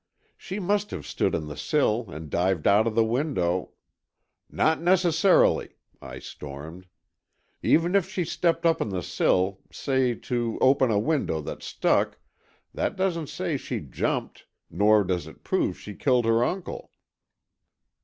"She must have stood on the sill and dived out of the window——" "Not necessarily," I stormed. "Even if she stepped up on the sill, say, to open a window that stuck, that doesn't say she jumped, nor does it prove she killed her uncle."